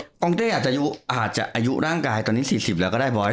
กองเต้อาจจะอายุร่างกายตอนนี้๔๐แล้วก็ได้บอย